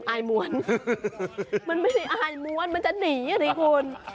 อายม้วนมันไม่ได้อายม้วนมันจะหนีอ่ะสิคุณ